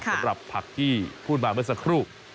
สำหรับผักที่พูดมาเมื่อสักครู่